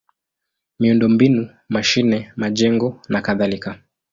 miundombinu: mashine, majengo nakadhalika.